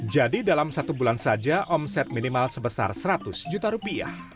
jadi dalam satu bulan saja omset minimal sebesar rp seratus